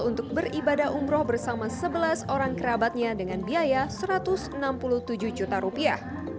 untuk beribadah umroh bersama sebelas orang kerabatnya dengan biaya satu ratus enam puluh tujuh juta rupiah